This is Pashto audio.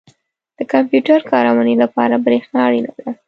• د کمپیوټر کارونې لپاره برېښنا اړینه ده.